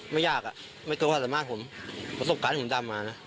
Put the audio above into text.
ไม่ยากอ่ะไม่เกินความสัมภาษณ์ผมกระสบการณ์ผมตามมาแล้ว